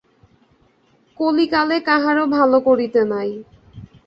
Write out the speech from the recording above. কলিকালে কাহারো ভালো করিতে নাই।